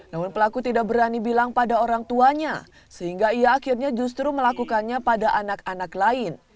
namun pelaku tidak berani bilang pada orang tuanya sehingga ia akhirnya justru melakukannya pada anak anak lain